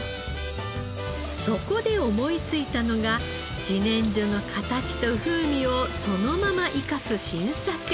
そこで思いついたのが自然薯の形と風味をそのまま生かす新作。